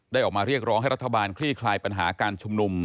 ออกมาเรียกร้องให้รัฐบาลคลี่คลายปัญหาการชุมนุม